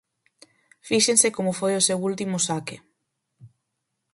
Fíxense como foi o seu último saque.